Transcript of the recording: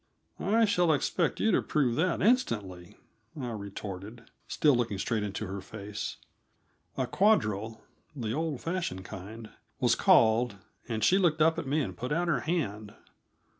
"I shall expect you to prove that instantly," I retorted, still looking straight into her face. A quadrille the old fashioned kind was called, and she looked up at me and put out her hand.